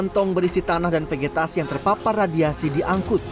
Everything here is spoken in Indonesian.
dua puluh delapan tong berisi tanah dan vegetasi yang terpapar radiasi diangkut